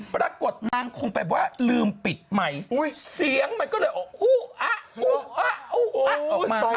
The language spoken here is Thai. ปรากฏนั้นคงแปลว่าลือมปิดไมค์เสียงมัน